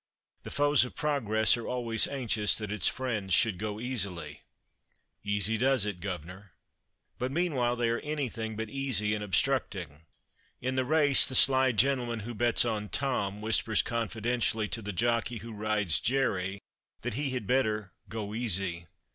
The foes of progress are always anxious that its friends should go easily. "Easy does it, guvner." But meanwhile they are anything but easy in obstructing. In the race, the sly gentleman who bets on Tom whispers confidentially to the jockey who rides Jerry that he had better "go easy."